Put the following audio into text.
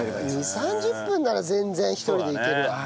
２０３０分なら全然１人でいけるわ。